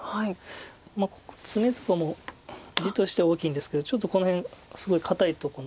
ツメとかも地としては大きいんですけどちょっとこの辺すごい堅いとこ。